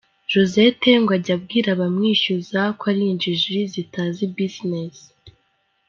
Josette ngo ajya abwira abamwishyuza ko ari injiji zitazi business.